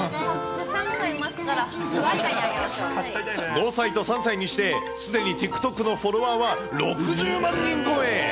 ５歳と３歳にして、すでにＴｉｋＴｏｋのフォロワーは６０万人超え。